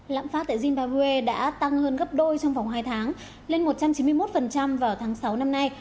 lãm phát tại zimbabwe đã tăng hơn gấp đôi trong vòng hai tháng lên một trăm chín mươi một vào tháng sáu năm nay